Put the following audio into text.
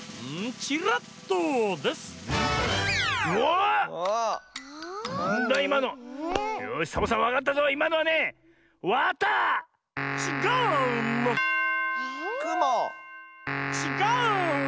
ちっがう！